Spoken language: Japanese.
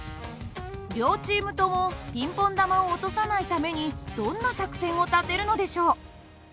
両チームともピンポン玉を落とさないためにどんな作戦を立てるのでしょう？